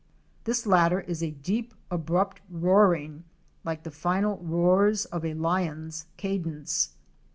This latter is a deep abrupt roaring like the final roars of a lion's cadence.